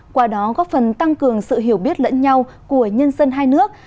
qua đó góp phần tăng cường sự hiểu biết lẫn nhau của nhân dân hai nước